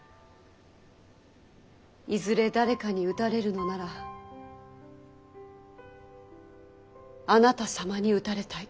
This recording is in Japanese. いずれ誰かに討たれるのならあなた様に討たれたい。